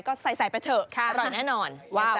ก็ใส่ไปเถอะอร่อยแน่นอน